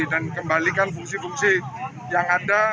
dan kembalikan fungsi fungsi yang ada